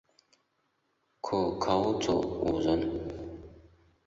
可考者五人。